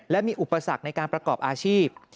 และมีอุปสรรคในการประกอบอาชีพ